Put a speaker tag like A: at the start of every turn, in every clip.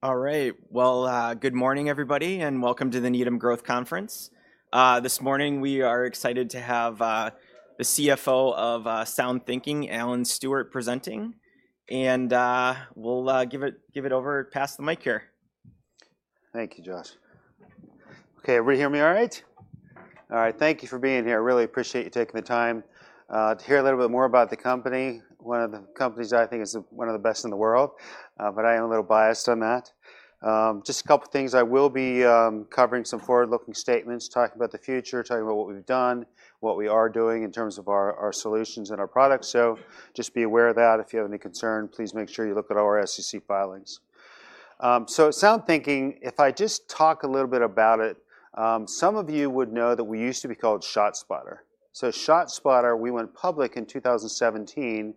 A: All right, well, good morning, everybody, and welcome to the Needham Growth Conference. This morning we are excited to have the CFO of SoundThinking, Alan Stewart, presenting, and we'll give it over, pass the mic here.
B: Thank you, Josh. Okay, everybody hear me all right? All right, thank you for being here. I really appreciate you taking the time, to hear a little bit more about the company, one of the companies that I think is one of the best in the world, but I am a little biased on that. Just a couple things. I will be, covering some forward-looking statements, talking about the future, talking about what we've done, what we are doing in terms of our, our solutions and our products, so just be aware of that. If you have any concern, please make sure you look at all our SEC filings. So SoundThinking, if I just talk a little bit about it, some of you would know that we used to be called ShotSpotter. So ShotSpotter, we went public in 2017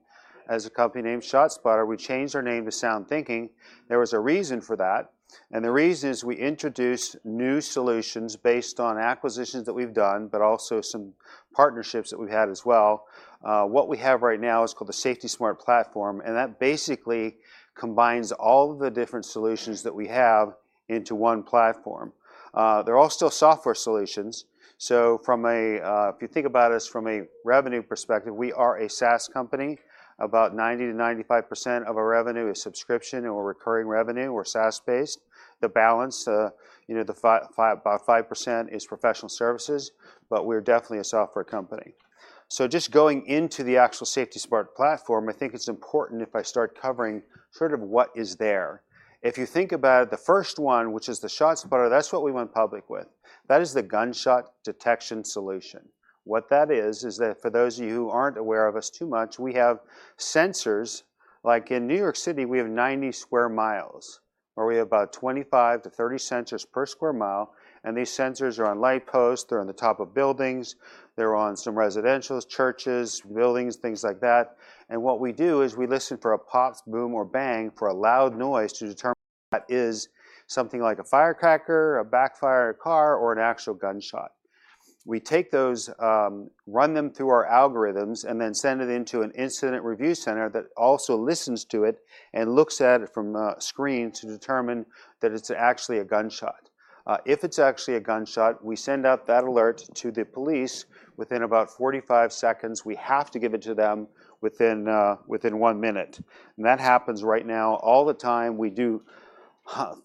B: as a company named ShotSpotter. We changed our name to SoundThinking. There was a reason for that, and the reason is we introduced new solutions based on acquisitions that we've done, but also some partnerships that we've had as well. What we have right now is called the SafetySmart Platform, and that basically combines all of the different solutions that we have into one platform. They're all still software solutions, so from—if you think about us from a revenue perspective, we are a SaaS company. About 90%-95% of our revenue is subscription or recurring revenue or SaaS-based. The balance, you know, the five about 5% is professional services, but we're definitely a software company. So just going into the actual SafetySmart Platform, I think it's important if I start covering sort of what is there. If you think about it, the first one, which is the ShotSpotter, that's what we went public with. That is the gunshot detection solution. What that is, is that for those of you who aren't aware of us too much, we have sensors. Like in New York City, we have 90 sq mi, where we have about 25-30 sensors per sq mi, and these sensors are on light posts, they're on the top of buildings, they're on some residences, churches, buildings, things like that, and what we do is we listen for a pop, boom, or bang for a loud noise to determine if that is something like a firecracker, a backfire, a car, or an actual gunshot. We take those, run them through our algorithms, and then send it into an incident review center that also listens to it and looks at it from a screen to determine that it's actually a gunshot. If it's actually a gunshot, we send out that alert to the police within about 45 seconds. We have to give it to them within one minute, and that happens right now all the time. We do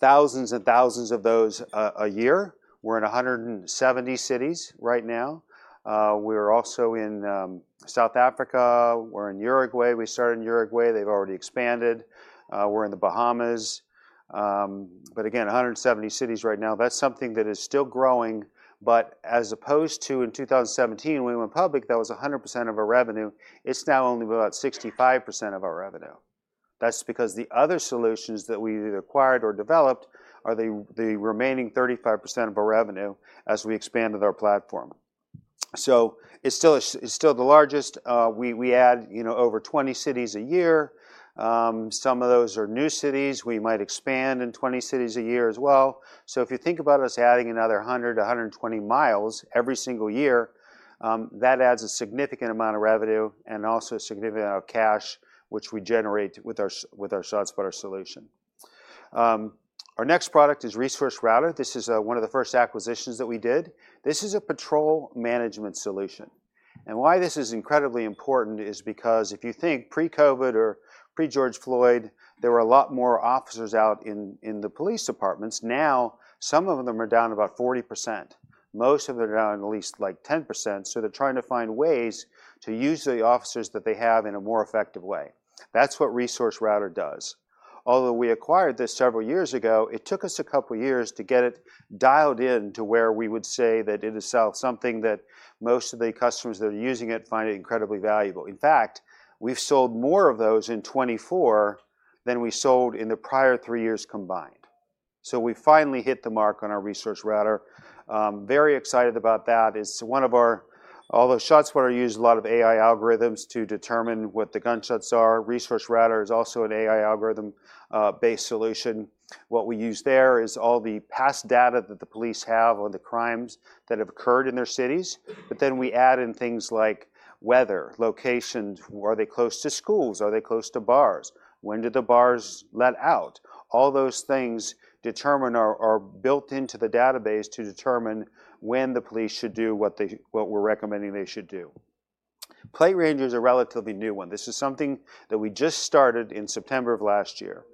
B: thousands and thousands of those a year. We're in 170 cities right now. We're also in South Africa. We're in Uruguay. We started in Uruguay, they've already expanded. We're in the Bahamas. But again, 170 cities right now. That's something that is still growing, but as opposed to in 2017 when we went public, that was 100% of our revenue. It's now only about 65% of our revenue. That's because the other solutions that we either acquired or developed are the remaining 35% of our revenue as we expanded our platform. So it's still a, it's still the largest. We add, you know, over 20 cities a year. Some of those are new cities. We might expand in 20 cities a year as well. So if you think about us adding another 100-120 miles every single year, that adds a significant amount of revenue and also a significant amount of cash, which we generate with our ShotSpotter solution. Our next product is ResourceRouter. This is one of the first acquisitions that we did. This is a patrol management solution, and why this is incredibly important is because if you think pre-COVID or pre-George Floyd, there were a lot more officers out in the police departments. Now some of them are down about 40%. Most of them are down at least like 10%, so they're trying to find ways to use the officers that they have in a more effective way. That's what ResourceRouter does. Although we acquired this several years ago, it took us a couple years to get it dialed in to where we would say that it is something that most of the customers that are using it find it incredibly valuable. In fact, we've sold more of those in 2024 than we sold in the prior three years combined. So we finally hit the mark on our ResourceRouter. Very excited about that. It's one of our, although ShotSpotter uses a lot of AI algorithms to determine what the gunshots are. ResourceRouter is also an AI algorithm-based solution. What we use there is all the past data that the police have on the crimes that have occurred in their cities, but then we add in things like weather, locations, are they close to schools, are they close to bars, when did the bars let out. All those things determine our built into the database to determine when the police should do what we're recommending they should do. Plate readers are a relatively new one. This is something that we just started in September of last year.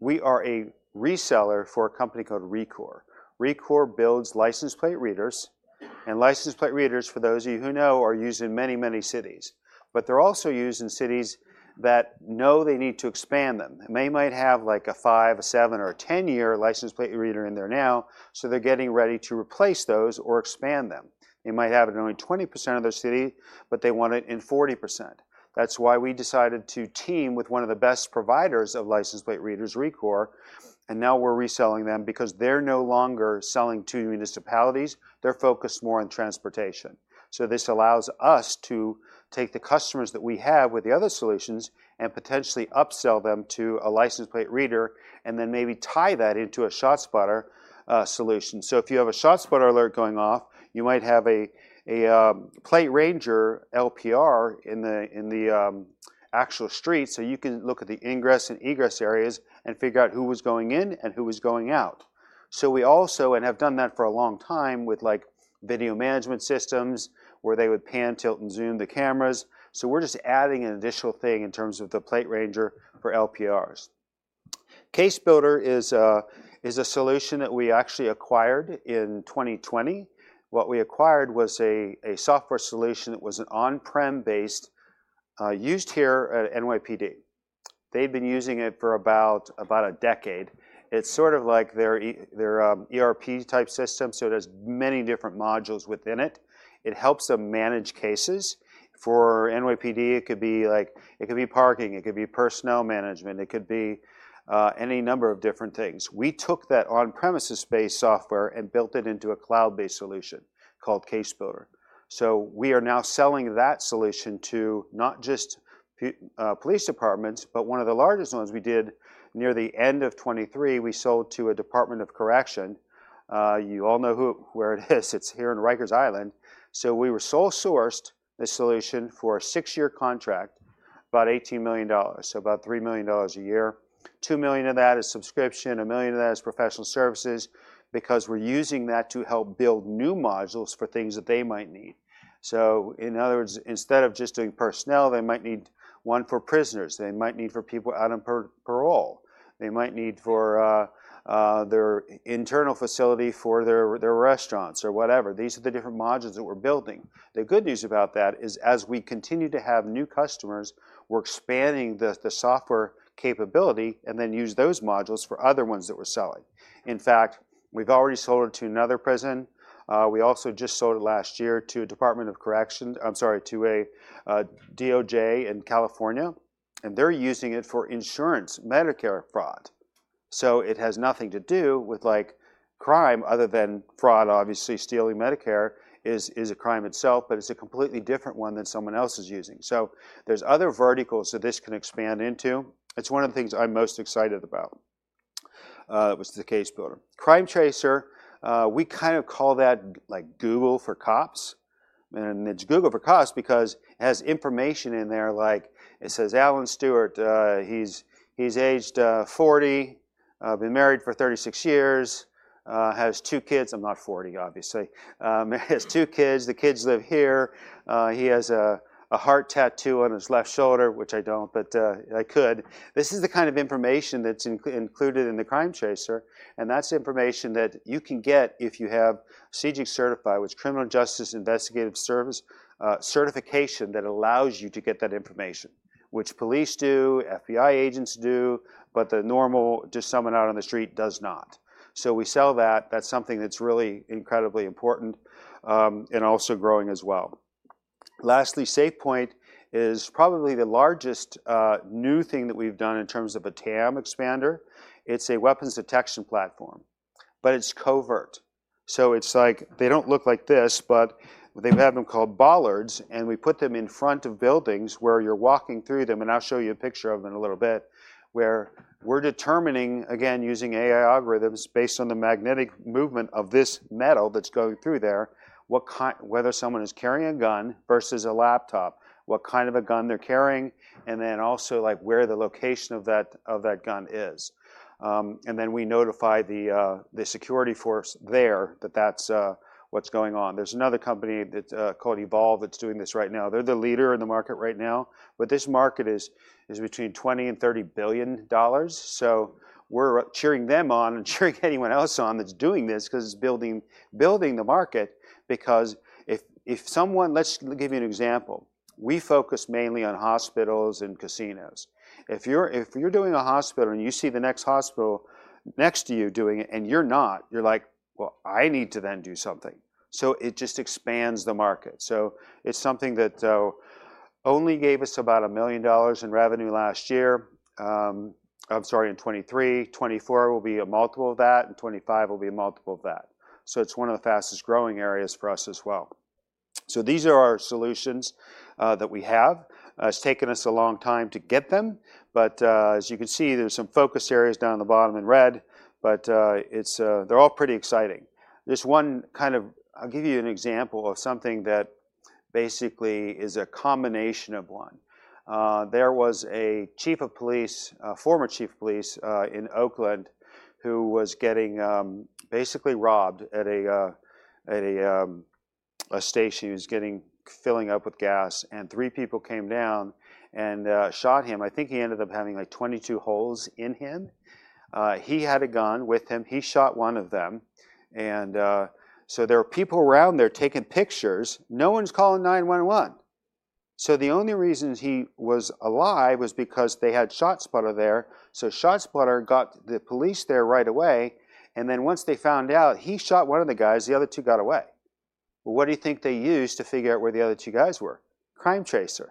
B: We are a reseller for a company called Rekor. Rekor builds license plate readers, and license plate readers, for those of you who know, are used in many, many cities, but they're also used in cities that know they need to expand them. They might have like a five, a seven, or a 10-year license plate reader in there now, so they're getting ready to replace those or expand them. They might have it in only 20% of their city, but they want it in 40%. That's why we decided to team with one of the best providers of license plate readers, Rekor, and now we're reselling them because they're no longer selling to municipalities. They're focused more on transportation. So this allows us to take the customers that we have with the other solutions and potentially upsell them to a license plate reader and then maybe tie that into a ShotSpotter solution. So if you have a ShotSpotter alert going off, you might have a PlateRanger LPR in the actual street, so you can look at the ingress and egress areas and figure out who was going in and who was going out. So we also have done that for a long time with like video management systems where they would pan, tilt, and zoom the cameras. So we're just adding an additional thing in terms of the PlateRanger for LPRs. CaseBuilder is a solution that we actually acquired in 2020. What we acquired was a software solution that was an on-prem based, used here at NYPD. They've been using it for about a decade. It's sort of like their ERP-type system, so it has many different modules within it. It helps them manage cases. For NYPD, it could be like, it could be parking, it could be personnel management, it could be, any number of different things. We took that on-premises-based software and built it into a cloud-based solution called CaseBuilder. So we are now selling that solution to not just police departments, but one of the largest ones we did near the end of 2023. We sold to a Department of Corrections. You all know who, where it is. It's here in Rikers Island. So we were sole sourced this solution for a six-year contract, about $18 million, so about $3 million a year. $2 million of that is subscription, a million of that is professional services because we're using that to help build new modules for things that they might need. So in other words, instead of just doing personnel, they might need one for prisoners, they might need for people out on parole, they might need for their internal facility for their restaurants or whatever. These are the different modules that we're building. The good news about that is as we continue to have new customers, we're expanding the software capability and then use those modules for other ones that we're selling. In fact, we've already sold it to another prison. We also just sold it last year to a Department of Correction. I'm sorry, to a DOJ in California, and they're using it for insurance, Medicare fraud. So it has nothing to do with like crime other than fraud. Obviously stealing Medicare is a crime itself, but it's a completely different one than someone else is using. So there's other verticals that this can expand into. It's one of the things I'm most excited about, was the CaseBuilder. CrimeTracer, we kind of call that like Google for cops, and it's Google for cops because it has information in there. Like it says, "Alan Stewart, he's aged, 40, been married for 36 years, has two kids." I'm not 40, obviously. He has two kids. The kids live here. He has a, a heart tattoo on his left shoulder, which I don't, but, I could. This is the kind of information that's included in the CrimeTracer, and that's information that you can get if you have CJIS certified, which is Criminal Justice Information Services, certification that allows you to get that information, which police do, FBI agents do, but the normal just someone out on the street does not. So we sell that. That's something that's really incredibly important, and also growing as well. Lastly, SafePointe is probably the largest, new thing that we've done in terms of a TAM expander. It's a weapons detection platform, but it's covert. So it's like they don't look like this, but they have them called bollards, and we put them in front of buildings where you're walking through them, and I'll show you a picture of them in a little bit where we're determining, again, using AI algorithms based on the magnetic movement of this metal that's going through there, what kind, whether someone is carrying a gun versus a laptop, what kind of a gun they're carrying, and then also like where the location of that, of that gun is. And then we notify the, the security force there that that's, what's going on. There's another company that's, called Evolv that's doing this right now. They're the leader in the market right now, but this market is between $20 and 30 billion. So, we're cheering them on and cheering anyone else on that's doing this because it's building the market because if someone, let's give you an example. We focus mainly on hospitals and casinos. If you're doing a hospital and you see the next hospital next to you doing it and you're not, you're like, "Well, I need to then do something." So it just expands the market. So, it's something that only gave us about $1 million in revenue last year. I'm sorry, in 2023. 2024 will be a multiple of that, and 2025 will be a multiple of that. So, it's one of the fastest growing areas for us as well. So, these are our solutions that we have. It's taken us a long time to get them, but as you can see, there's some focus areas down the bottom in red, but it's, they're all pretty exciting. There's one kind of. I'll give you an example of something that basically is a combination of one. There was a chief of police, former chief of police, in Oakland who was basically robbed at a station he was filling up with gas, and three people came down and shot him. I think he ended up having like 22 holes in him. He had a gun with him. He shot one of them, and so there are people around there taking pictures. No one's calling 911. So, the only reason he was alive was because they had ShotSpotter there. ShotSpotter got the police there right away, and then once they found out, he shot one of the guys, the other two got away. Well, what do you think they used to figure out where the other two guys were? CrimeTracer.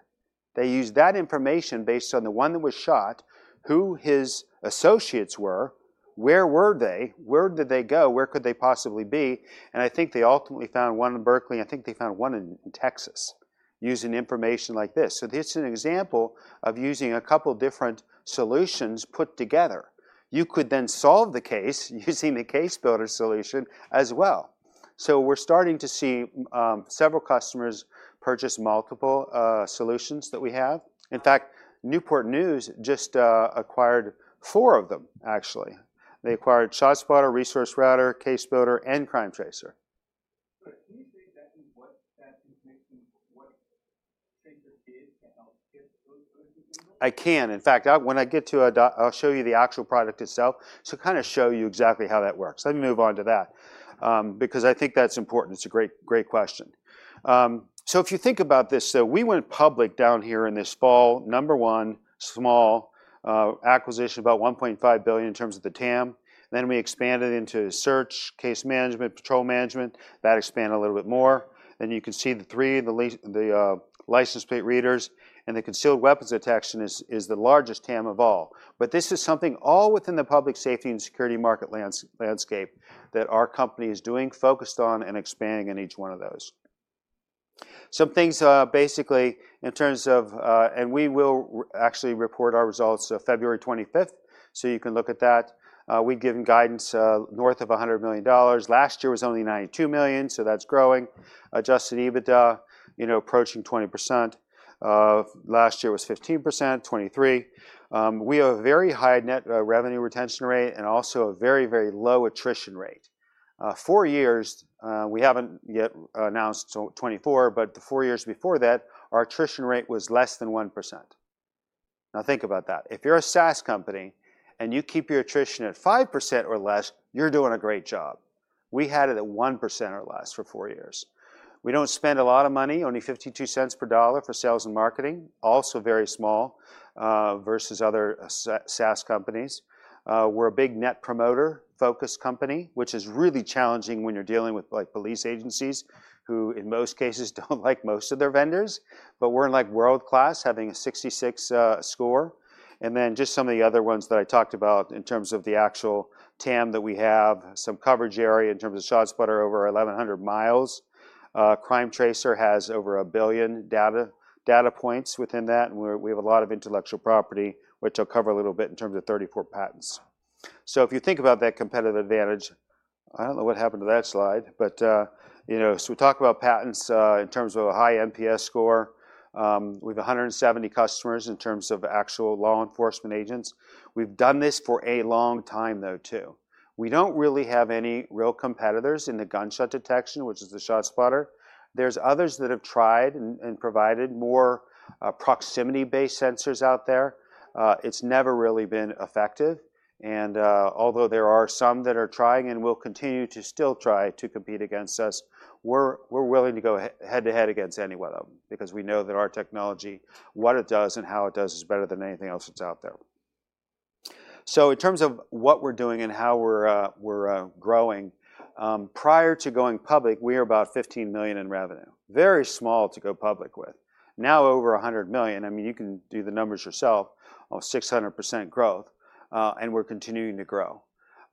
B: They used that information based on the one that was shot, who his associates were, where were they, where did they go, where could they possibly be. And I think they ultimately found one in Berkeley. I think they found one in Texas using information like this. So it's an example of using a couple different solutions put together. You could then solve the case using the CaseBuilder solution as well. So we're starting to see several customers purchase multiple solutions that we have. In fact, Newport News just acquired four of them, actually. They acquired ShotSpotter, ResourceRouter, CaseBuilder, and CrimeTracer.
C: Can you say exactly what that information, what CrimeTracer is to help get those individuals?
B: I can. In fact, when I get to a demo, I'll show you the actual product itself to kind of show you exactly how that works. Let me move on to that, because I think that's important. It's a great, great question. So if you think about this, so we went public down here this fall, number one, small acquisition, about $1.5 billion in terms of the TAM. Then we expanded into search, case management, patrol management. That expanded a little bit more. And you can see the three, the LPR, the license plate readers and the concealed weapons detection is the largest TAM of all. But this is something all within the public safety and security market landscape that our company is doing, focused on and expanding in each one of those. Some things, basically in terms of, and we will actually report our results of 25 February, so you can look at that. We've given guidance, north of $100 million. Last year was only $92 million, so that's growing. adjusted EBITDA, you know, approaching 20%. Last year was 15%, 23%. We have a very high net revenue retention rate and also a very, very low attrition rate. Four years, we haven't yet announced 24, but the four years before that, our attrition rate was less than 1%. Now think about that. If you're a SaaS company and you keep your attrition at 5% or less, you're doing a great job. We had it at 1% or less for four years. We don't spend a lot of money, only 52 cents per dollar for sales and marketing, also very small, versus other SaaS companies. We're a big Net Promoter focused company, which is really challenging when you're dealing with like police agencies who in most cases don't like most of their vendors, but we're in like world class having a 66 score. And then just some of the other ones that I talked about in terms of the actual TAM that we have, some coverage area in terms of ShotSpotter over 1,100 miles. CrimeTracer has over a billion data points within that, and we have a lot of intellectual property, which I'll cover a little bit in terms of 34 patents. So if you think about that competitive advantage, I don't know what happened to that slide, but, you know, so we talk about patents, in terms of a high NPS score. We have 170 customers in terms of actual law enforcement agents. We've done this for a long time though too. We don't really have any real competitors in the gunshot detection, which is the ShotSpotter. There are others that have tried and provided more proximity-based sensors out there. It's never really been effective. Although there are some that are trying and will continue to still try to compete against us, we're willing to go head to head against any one of them because we know that our technology, what it does and how it does, is better than anything else that's out there. So in terms of what we're doing and how we're growing, prior to going public, we were about $15 million in revenue, very small to go public with. Now over $100 million. I mean, you can do the numbers yourself of 600% growth, and we're continuing to grow.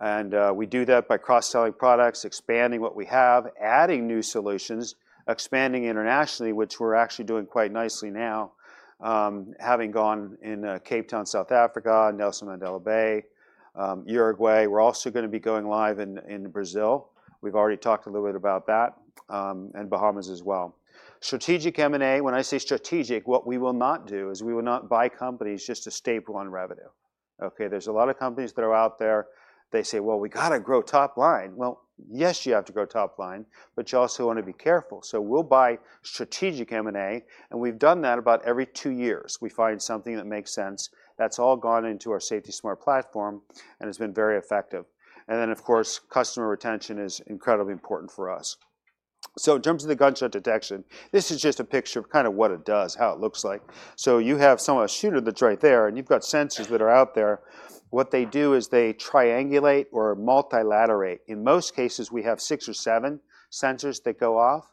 B: And, we do that by cross-selling products, expanding what we have, adding new solutions, expanding internationally, which we're actually doing quite nicely now, having gone in, Cape Town, South Africa, Nelson Mandela Bay, Uruguay. We're also going to be going live in Brazil. We've already talked a little bit about that, and Bahamas as well. Strategic M&A, when I say strategic, what we will not do is we will not buy companies just to stay on revenue. Okay? There's a lot of companies that are out there. They say, "Well, we got to grow top line." Well, yes, you have to grow top line, but you also want to be careful. So, we'll buy strategic M&A, and we've done that about every two years. We find something that makes sense. That's all gone into our SafetySmart Platform and has been very effective. Of course, customer retention is incredibly important for us. In terms of the gunshot detection, this is just a picture of kind of what it does, how it looks like. You have some of a shooter that's right there and you've got sensors that are out there. What they do is they triangulate or multilaterate. In most cases, we have six or seven sensors that go off,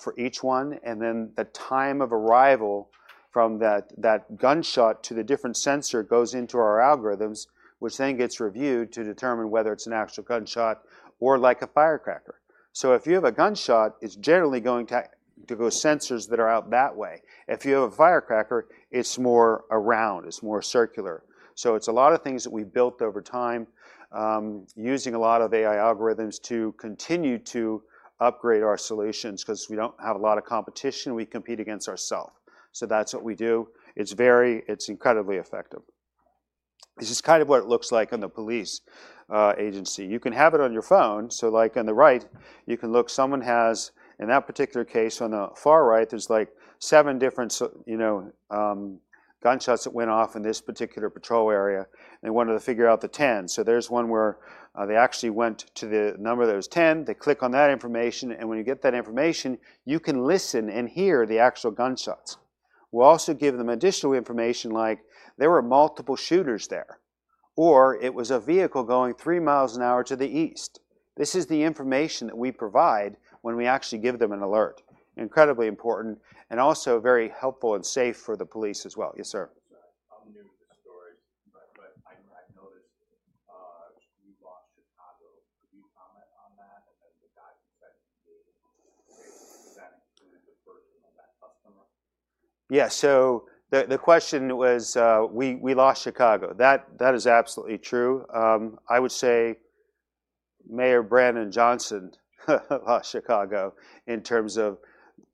B: for each one. And then the time of arrival from that gunshot to the different sensor goes into our algorithms, which then gets reviewed to determine whether it's an actual gunshot or like a firecracker. If you have a gunshot, it's generally going to go sensors that are out that way. If you have a firecracker, it's more around, it's more circular. So it's a lot of things that we've built over time, using a lot of AI algorithms to continue to upgrade our solutions because we don't have a lot of competition. We compete against ourselves. So that's what we do. It's very, it's incredibly effective. This is kind of what it looks like on the police agency. You can have it on your phone. So like on the right, you can look. Someone has in that particular case on the far right, there's like seven different, you know, gunshots that went off in this particular patrol area. They wanted to figure out the 10. So, there's one where, they actually went to the number that was 10. They click on that information, and when you get that information, you can listen and hear the actual gunshots. We'll also give them additional information like there were multiple shooters there or it was a vehicle going three miles an hour to the east. This is the information that we provide when we actually give them an alert. Incredibly important and also very helpful and safe for the police as well. Yes, sir.
C: I'm new to the story, but I noticed you lost Chicago. Could you comment on that and the guidance that you gave that included the person on that customer?
B: Yeah. So, the question was, we lost Chicago. That is absolutely true. I would say Mayor Brandon Johnson lost Chicago in terms of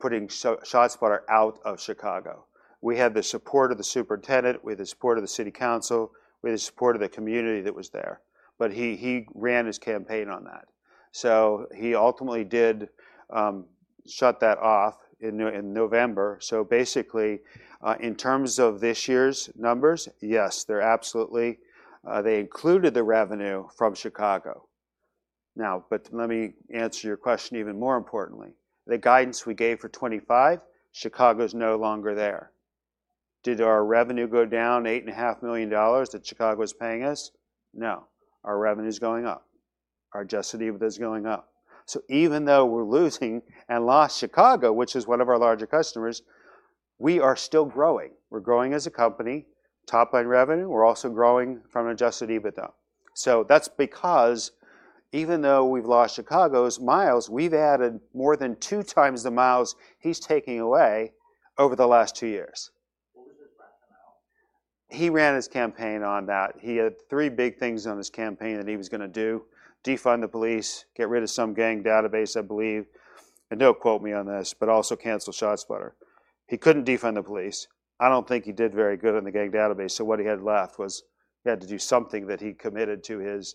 B: putting ShotSpotter out of Chicago. We had the support of the superintendent, we had the support of the city council, we had the support of the community that was there, but he ran his campaign on that. So, he ultimately did shut that off in November. So, basically, in terms of this year's numbers, yes, they absolutely included the revenue from Chicago. Now, but let me answer your question even more importantly. The guidance we gave for 2025, Chicago's no longer there. Did our revenue go down $8.5 million that Chicago's paying us? No. Our revenue's going up. Our adjusted EBITDA's going up. So even though we're losing and lost Chicago, which is one of our larger customers, we are still growing. We're growing as a company, top line revenue. We're also growing from adjusted EBITDA. So that's because even though we've lost Chicago's miles, we've added more than two times the miles he's taking away over the last two years.
C: What was his rationale?
B: He ran his campaign on that. He had three big things on his campaign that he was going to do: defund the police, get rid of some gang database, I believe, and don't quote me on this, but also cancel ShotSpotter. He couldn't defund the police. I don't think he did very good on the gang database. So, what he had left was he had to do something that he committed to his,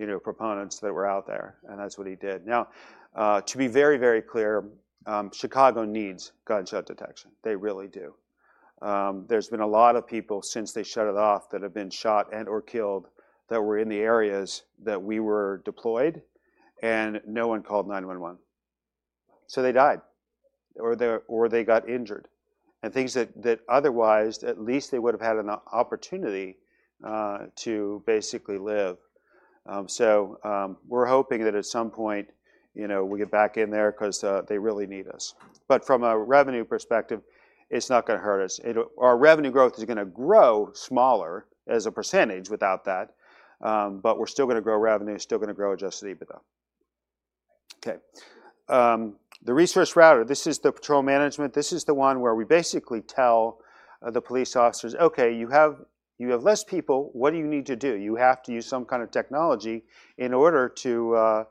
B: you know, proponents that were out there, and that's what he did. Now, to be very, very clear, Chicago needs gunshot detection. They really do. There's been a lot of people since they shut it off that have been shot and/or killed that were in the areas that we were deployed, and no one called 911. They died or they got injured and things that otherwise at least they would've had an opportunity to basically live, so we're hoping that at some point, you know, we get back in there 'cause they really need us. But from a revenue perspective, it's not going to hurt us. It'll our revenue growth is going to grow smaller as a percentage without that. But we're still going to grow revenue, still going to grow adjusted EBITDA. Okay. The ResourceRouter, this is the patrol management. This is the one where we basically tell the police officers, "Okay, you have less people. What do you need to do? You have to use some kind of technology in order to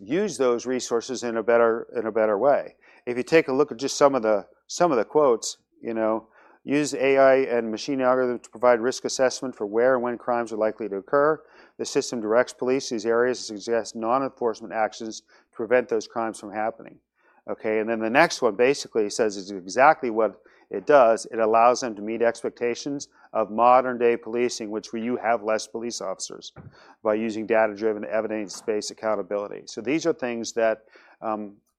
B: use those resources in a better way." If you take a look at just some of the quotes, you know, "Use AI and machine algorithms to provide risk assessment for where and when crimes are likely to occur. The system directs police these areas to suggest non-enforcement actions to prevent those crimes from happening." Okay. And then the next one basically says it's exactly what it does. It allows them to meet expectations of modern-day policing, which where you have less police officers by using data-driven evidence-based accountability. So these are things that,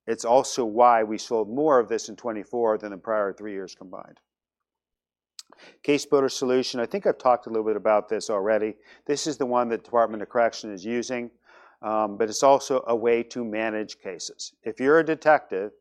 B: it's also why we sold more of this in 2024 than the prior three years combined. CaseBuilder solution, I think I've talked a little bit about this already. This is the one that the Department of Corrections is using, but it's also a way to manage cases. If you're a detective,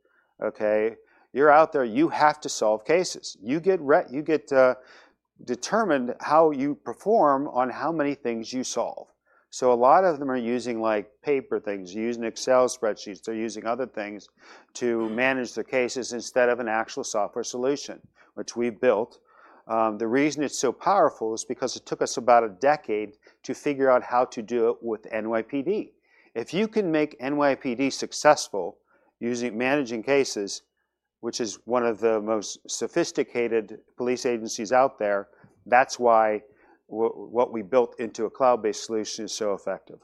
B: okay, you're out there, you have to solve cases. You get rated on how you perform on how many things you solve. So a lot of them are using like paper things. They're using Excel spreadsheets. They're using other things to manage their cases instead of an actual software solution, which we've built. The reason it's so powerful is because it took us about a decade to figure out how to do it with NYPD. If you can make NYPD successful using managing cases, which is one of the most sophisticated police agencies out there, that's why what we built into a cloud-based solution is so effective.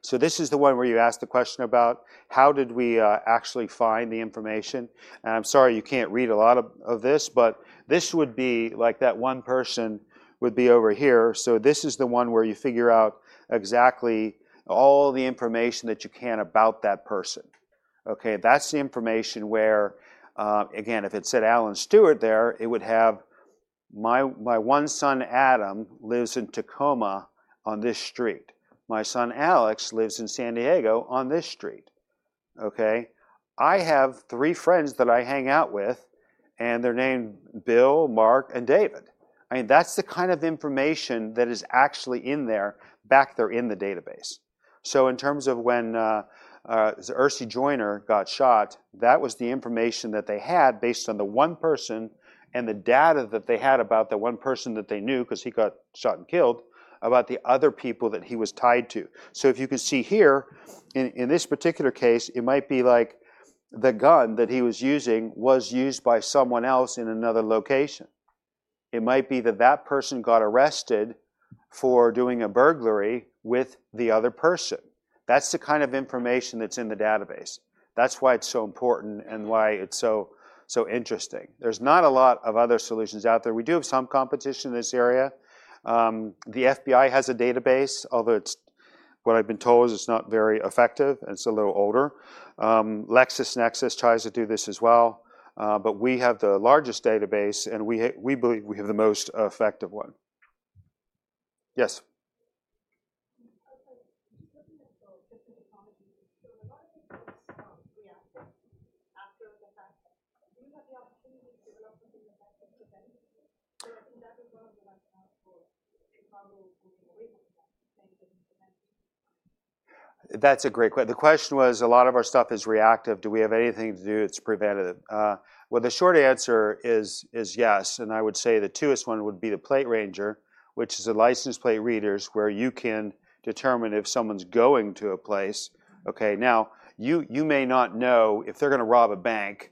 B: So this is the one where you asked the question about how did we, actually find the information. And I'm sorry you can't read a lot of this, but this would be like that one person would be over here. So this is the one where you figure out exactly all the information that you can about that person. Okay? That's the information where, again, if it said Alan Stewart there, it would have my one son, Adam, lives in Tacoma on this street. My son, Alex, lives in San Diego on this street. Okay? I have three friends that I hang out with, and they're named Bill, Mark, and David. I mean, that's the kind of information that is actually in there back there in the database. So in terms of when Ersie Joyner got shot, that was the information that they had based on the one person and the data that they had about the one person that they knew 'cause he got shot and killed about the other people that he was tied to. So if you can see here in this particular case, it might be like the gun that he was using was used by someone else in another location. It might be that that person got arrested for doing a burglary with the other person. That's the kind of information that's in the database. That's why it's so important and why it's so, so interesting. There's not a lot of other solutions out there. We do have some competition in this area. The FBI has a database, although it's what I've been told is it's not very effective and it's a little older. LexisNexis tries to do this as well. But we have the largest database and we, we believe we have the most effective one. Yes.
C: Okay. So, just an apology. So, a lot of people reacted after the fact. Do you have the opportunity to develop something effective to prevent it? So, I think that is one of the ones for Chicago moving away from that.
B: That's a great question. The question was a lot of our stuff is reactive. Do we have anything to do that's preventative? Well, the short answer is yes. And I would say the newest one would be the PlateRanger, which is a license plate readers where you can determine if someone's going to a place. Okay? Now you may not know if they're going to rob a bank.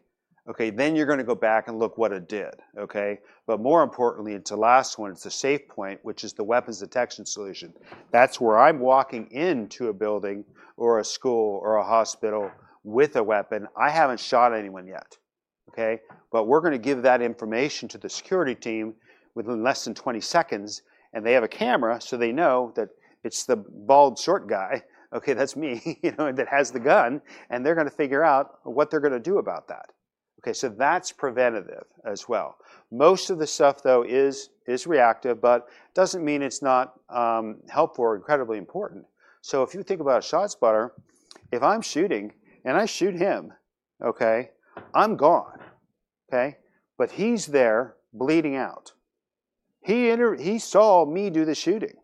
B: Okay? Then you're going to go back and look what it did. Okay? But more importantly, it's the last one. It's the SafePointe, which is the weapons detection solution. That's where I'm walking into a building or a school or a hospital with a weapon. I haven't shot anyone yet. Okay? But we're going to give that information to the security team within less than 20 seconds. They have a camera so they know that it's the bald short guy. Okay? That's me, you know, that has the gun. And they're going to figure out what they're going to do about that. Okay? So that's preventative as well. Most of the stuff though is reactive, but it doesn't mean it's not helpful or incredibly important. So if you think about a ShotSpotter, if I'm shooting and I shoot him, okay, I'm gone. Okay? But he's there bleeding out. He saw me do the shooting.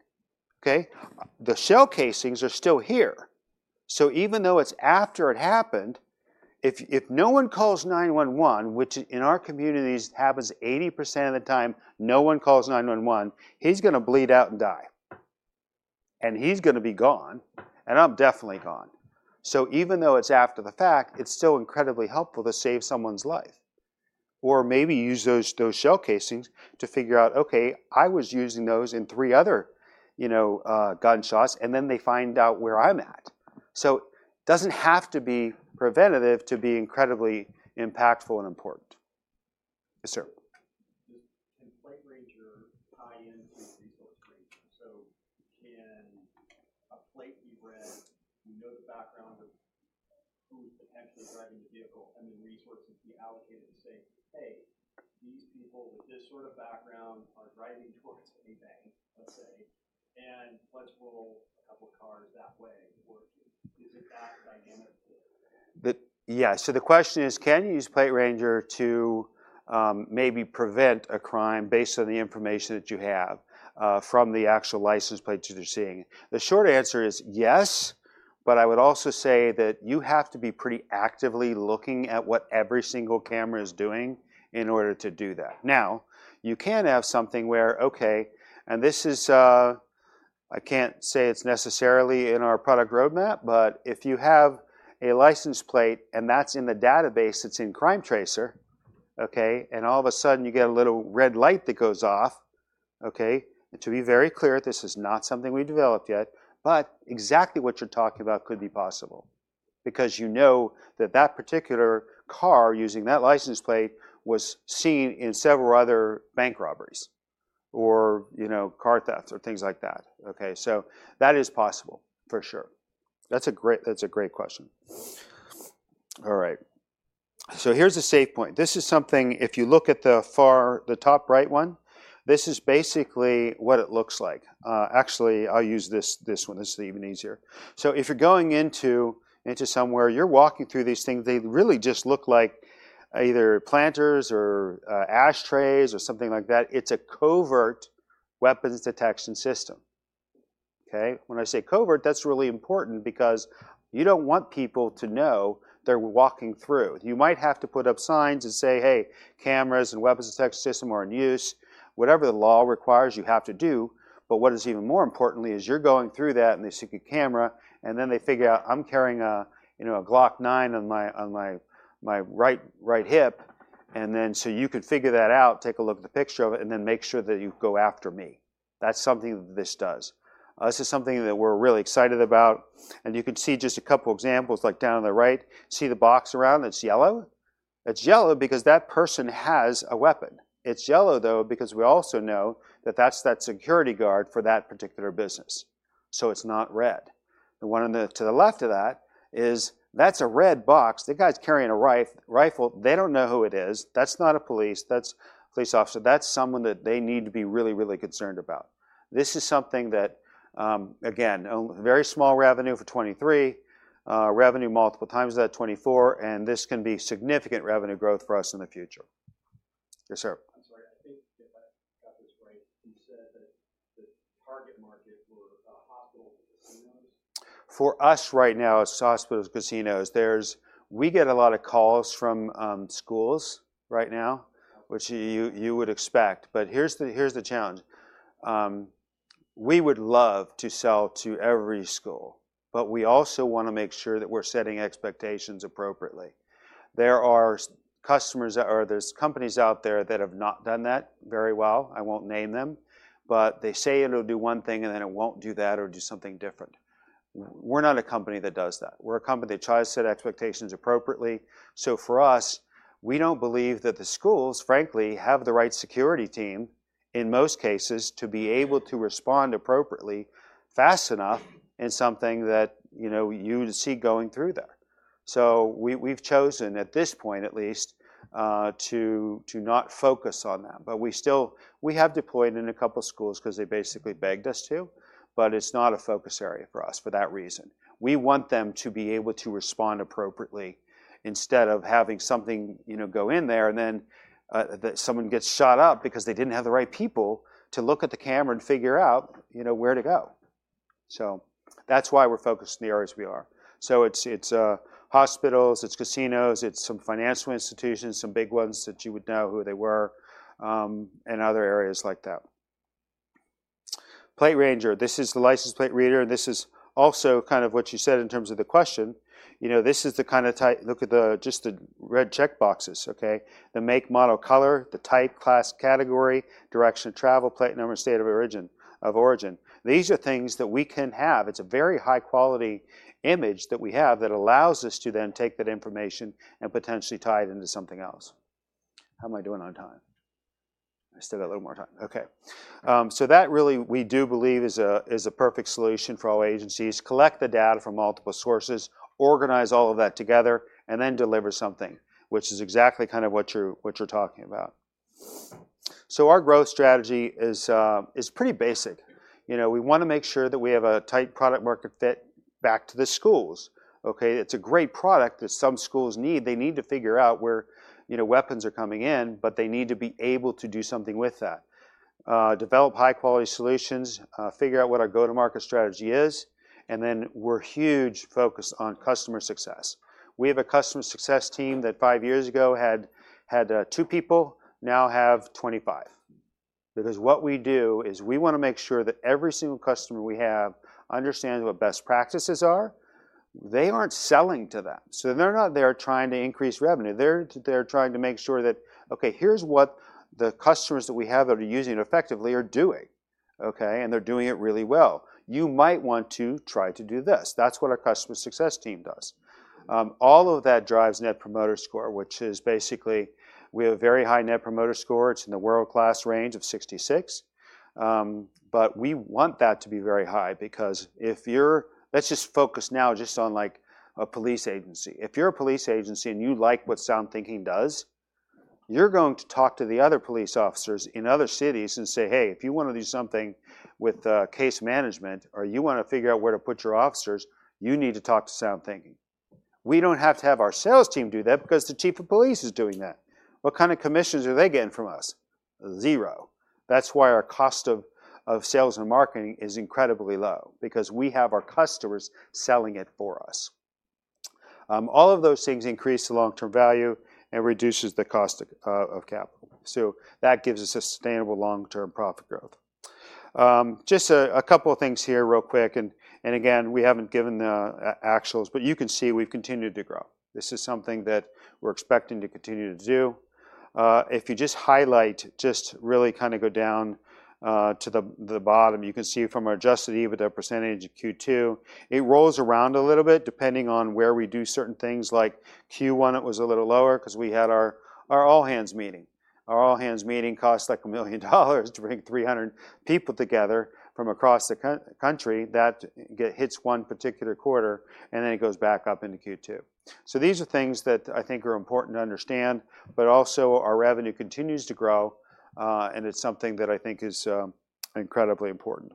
B: Okay? The shell casings are still here. So even though it's after it happened, if no one calls 911, which in our communities happens 80% of the time, no one calls 911, he's going to bleed out and die. And he's going to be gone. And I'm definitely gone. So even though it's after the fact, it's still incredibly helpful to save someone's life or maybe use those shell casings to figure out, okay, I was using those in three other, you know, gunshots and then they find out where I'm at. So it doesn't have to be preventative to be incredibly impactful and important. Yes, sir.
C: Can PlateRanger tie into ResourceRouter? So can a plate be read, you know, the background of who's potentially driving the vehicle and then resources be allocated to say, "Hey, these people with this sort of background are driving towards a bank, let's say, and let's roll a couple of cars that way." Or is it that dynamic?
B: Yeah. So the question is, can you use PlateRanger to, maybe prevent a crime based on the information that you have, from the actual license plates that you're seeing? The short answer is yes, but I would also say that you have to be pretty actively looking at what every single camera is doing in order to do that. Now you can have something where, okay, and this is, I can't say it's necessarily in our product roadmap, but if you have a license plate and that's in the database, it's in CrimeTracer, okay, and all of a sudden you get a little red light that goes off, okay, and to be very clear, this is not something we developed yet, but exactly what you're talking about could be possible because you know that that particular car using that license plate was seen in several other bank robberies or, you know, car thefts or things like that. Okay? So that is possible for sure. That's a great question. All right. So here's a SafePointe. This is something if you look at the far, the top right one, this is basically what it looks like. Actually I'll use this one. This is even easier. So if you're going into somewhere, you're walking through these things, they really just look like either planters or ashtrays or something like that. It's a covert weapons detection system. Okay? When I say covert, that's really important because you don't want people to know they're walking through. You might have to put up signs and say, "Hey, cameras and weapons detection system are in use." Whatever the law requires you have to do. But what is even more importantly is you're going through that and they see a camera and then they figure out, "I'm carrying a you know a Glock 9 on my right hip." And then so you could figure that out, take a look at the picture of it, and then make sure that you go after me. That's something that this does. This is something that we're really excited about. You can see just a couple of examples like down on the right. See the box around that's yellow? It's yellow because that person has a weapon. It's yellow though because we also know that that's the security guard for that particular business. So it's not red. The one on the left of that is a red box. The guy's carrying a rifle, rifle. They don't know who it is. That's not a police officer. That's someone that they need to be really, really concerned about. This is something that, again, very small revenue for 2023, revenue multiple times that 2024, and this can be significant revenue growth for us in the future. Yes, sir.
C: I'm sorry. I think if I got this right, you said that the target market were hospitals, casinos.
B: For us right now, it's hospitals, casinos. We get a lot of calls from schools right now, which you would expect. But here's the challenge. We would love to sell to every school, but we also want to make sure that we're setting expectations appropriately. There are customers that, or there's companies out there that have not done that very well. I won't name them, but they say it'll do one thing and then it won't do that or do something different. We're not a company that does that. We're a company that tries to set expectations appropriately. So for us, we don't believe that the schools, frankly, have the right security team in most cases to be able to respond appropriately, fast enough in something that, you know, you'd see going through there. So we've chosen at this point at least to not focus on that. But we still have deployed in a couple of schools 'cause they basically begged us to, but it's not a focus area for us for that reason. We want them to be able to respond appropriately instead of having something, you know, go in there and then that someone gets shot up because they didn't have the right people to look at the camera and figure out, you know, where to go. So that's why we're focused in the areas we are. So it's hospitals, it's casinos, it's some financial institutions, some big ones that you would know who they were, and other areas like that. PlateRanger, this is the license plate reader. And this is also kind of what you said in terms of the question. You know, this is the kind of type, look at the, just the red check boxes. Okay? The make, model, color, the type, class, category, direction of travel, plate, number, state of origin. These are things that we can have. It's a very high quality image that we have that allows us to then take that information and potentially tie it into something else. How am I doing on time? I still got a little more time. Okay. So that really we do believe is a perfect solution for all agencies. Collect the data from multiple sources, organize all of that together, and then deliver something, which is exactly kind of what you're talking about. So our growth strategy is pretty basic. You know, we want to make sure that we have a tight product market fit back to the schools. Okay? It's a great product that some schools need. They need to figure out where, you know, weapons are coming in, but they need to be able to do something with that. Develop high quality solutions, figure out what our go-to-market strategy is. And then we're huge focus on customer success. We have a customer success team that five years ago had two people, now have 25. Because what we do is we want to make sure that every single customer we have understands what best practices are. They aren't selling to them. So, they're not there trying to increase revenue. They're trying to make sure that, okay, here's what the customers that we have that are using it effectively are doing. Okay? And they're doing it really well. You might want to try to do this. That's what our customer success team does. All of that drives Net Promoter Score, which is basically we have a very high Net Promoter Score. It's in the world class range of 66. But we want that to be very high because if you're, let's just focus now just on like a police agency. If you're a police agency and you like what SoundThinking does, you're going to talk to the other police officers in other cities and say, "Hey, if you want to do something with, case management or you want to figure out where to put your officers, you need to talk to SoundThinking." We don't have to have our sales team do that because the chief of police is doing that. What kind of commissions are they getting from us? Zero. That's why our cost of sales and marketing is incredibly low because we have our customers selling it for us. All of those things increase the long-term value and reduces the cost of capital. So that gives us a sustainable long-term profit growth. Just a couple of things here real quick. And again, we haven't given the actuals, but you can see we've continued to grow. This is something that we're expecting to continue to do. If you just highlight, just really kind of go down to the bottom, you can see from our adjusted EBITDA percentage of Q2, it rolls around a little bit depending on where we do certain things. Like Q1, it was a little lower 'cause we had our all-hands meeting. Our all-hands meeting costs like $1 million to bring 300 people together from across the country that gets hits one particular quarter and then it goes back up into Q2. So these are things that I think are important to understand, but also our revenue continues to grow, and it's something that I think is incredibly important.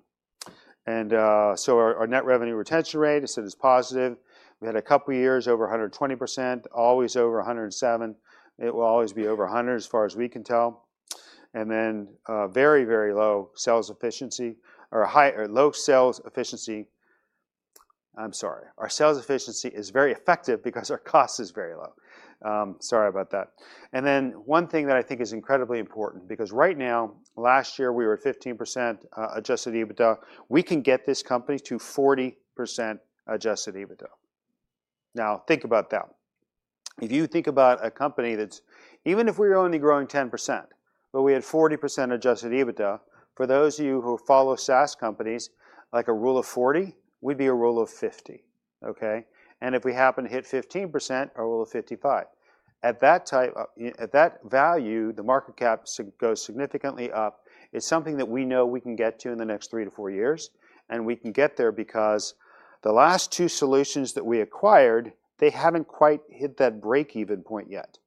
B: And so our net revenue retention rate is solidly positive. We had a couple of years over 120%, always over 107%. It will always be over a hundred as far as we can tell. And then very low sales efficiency. I'm sorry. Our sales efficiency is very effective because our cost is very low. Sorry about that. And then one thing that I think is incredibly important because right now, last year we were at 15% adjusted EBITDA. We can get this company to 40% adjusted EBITDA. Now think about that. If you think about a company that's even if we're only growing 10%, but we had 40% adjusted EBITDA, for those of you who follow SaaS companies, like a rule of 40, we'd be a rule of 50. Okay? And if we happen to hit 15%, a rule of 55. At that time, at that value, the market cap goes significantly up. It's something that we know we can get to in the next three to four years. And we can get there because the last two solutions that we acquired, they haven't quite hit that break-even point yet.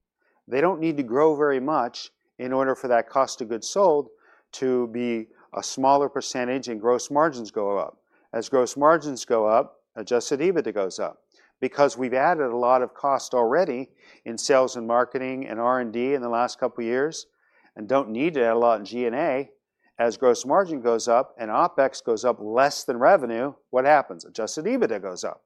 B: They don't need to grow very much in order for that cost of goods sold to be a smaller percentage and gross margins go up. As gross margins go up, adjusted EBITDA goes up. Because we've added a lot of cost already in sales and marketing and R&D in the last couple of years and don't need to add a lot in G&A. As gross margin goes up and OpEx goes up less than revenue, what happens? adjusted EBITDA goes up.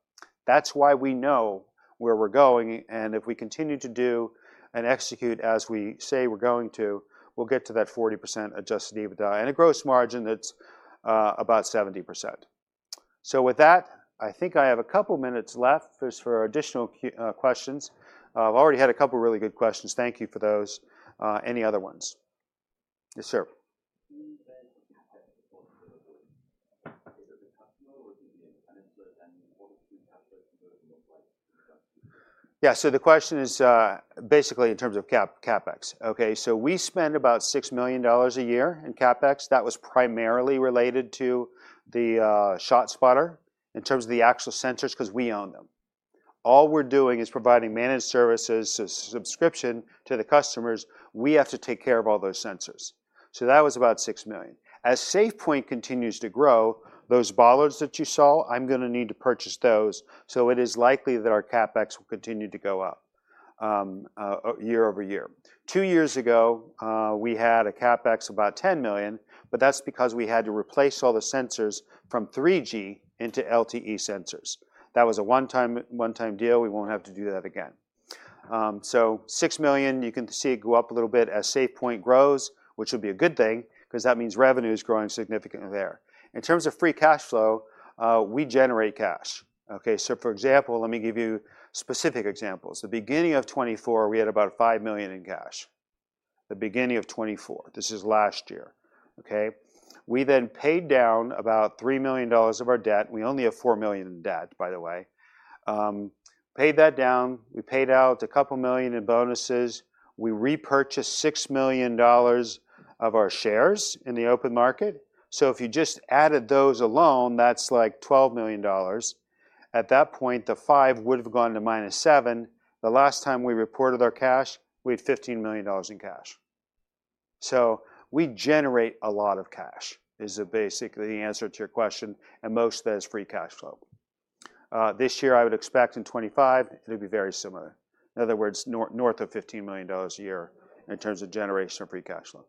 B: That's why we know where we're going. And if we continue to do and execute as we say we're going to, we'll get to that 40% adjusted EBITDA and a gross margin that's about 70%. So with that, I think I have a couple of minutes left for additional questions. I've already had a couple of really good questions. Thank you for those. Any other ones? Yes, sir.
C: Can you say the customer or can you be independent, and what does the cashless conversion look like?
B: Yeah. So the question is, basically in terms of CapEx. Okay? So we spend about $6 million a year in CapEx. That was primarily related to the ShotSpotter in terms of the actual sensors 'cause we own them. All we're doing is providing managed services, subscription to the customers. We have to take care of all those sensors. So that was about $6 million. As SafePointe continues to grow, those bollards that you saw, I'm gonna need to purchase those. So it is likely that our CapEx will continue to go up, year over year. Two years ago, we had a CapEx of about $10 million, but that's because we had to replace all the sensors from 3G into LTE sensors. That was a one-time, one-time deal. We won't have to do that again. So, $6 million, you can see it go up a little bit as SafePointe grows, which would be a good thing 'cause that means revenue is growing significantly there. In terms of free cash flow, we generate cash. Okay? So, for example, let me give you specific examples. The beginning of 2024, we had about $5 million in cash. The beginning of 2024, this is last year. Okay? We then paid down about $3 million of our debt. We only have $4 million in debt, by the way. Paid that down. We paid out a couple million in bonuses. We repurchased $6 million of our shares in the open market. So, if you just added those alone, that's like $12 million. At that point, the five would've gone to minus seven. The last time we reported our cash, we had $15 million in cash. So, we generate a lot of cash is basically the answer to your question. And most of that is free cash flow. This year I would expect in 2025 it'll be very similar. In other words, north of $15 million a year in terms of generation of free cash flow.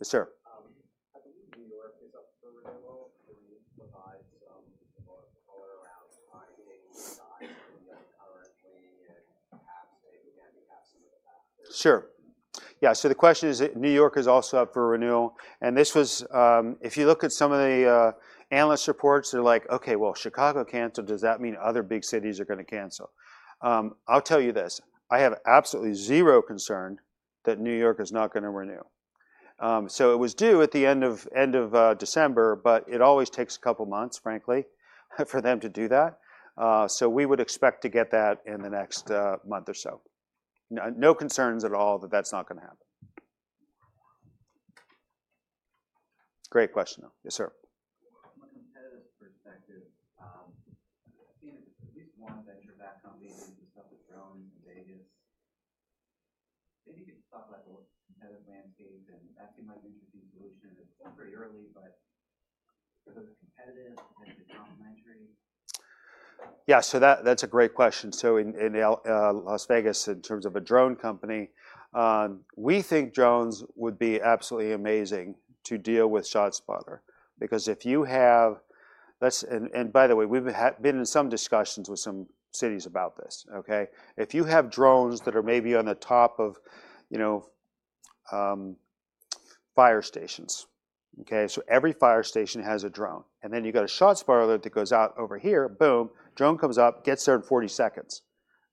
B: Yes, sir.
C: I believe New York is up for renewal. Do you provide some color around funding size currently and perhaps what can be CapEx in the past?
B: Sure. Yeah. So, the question is New York is also up for renewal. And this was, if you look at some of the analyst reports, they're like, okay, well, Chicago canceled. Does that mean other big cities are gonna cancel? I'll tell you this. I have absolutely zero concern that New York is not gonna renew. So, it was due at the end of December, but it always takes a couple months, frankly, for them to do that. So, we would expect to get that in the next month or so. No, no concerns at all that that's not gonna happen. Great question though. Yes, sir.
C: From a competitive perspective, I've seen at least one venture-backed company do some growing in Vegas. Maybe you could talk about the competitive landscape and that seemed like an interesting solution. It's still very early, but are those competitive than the complementary?
B: Yeah. So that's a great question. So, in Las Vegas, in terms of a drone company, we think drones would be absolutely amazing to deal with ShotSpotter. Because if you have that, and by the way, we have been in some discussions with some cities about this. Okay? If you have drones that are maybe on the top of, you know, fire stations. Okay? So, every fire station has a drone. And then you got a ShotSpotter that goes out over here, boom, drone comes up, gets there in 40 seconds.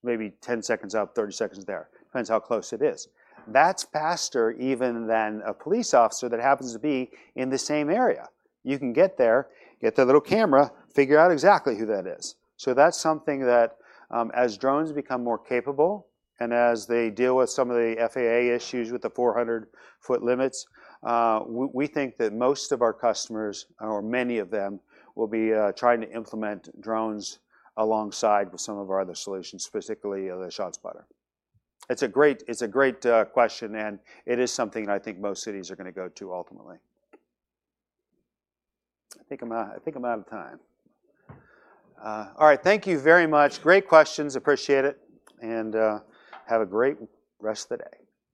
B: Maybe 10 seconds out, 30 seconds there. Depends how close it is. That's faster even than a police officer that happens to be in the same area. You can get there, get the little camera, figure out exactly who that is. So that's something that, as drones become more capable and as they deal with some of the FAA issues with the 400-foot limits, we think that most of our customers, or many of them, will be trying to implement drones alongside with some of our other solutions, specifically the ShotSpotter. It's a great question, and it is something that I think most cities are gonna go to ultimately. I think I'm out of time. All right. Thank you very much. Great questions. Appreciate it and have a great rest of the day.